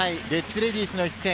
レディースの一戦。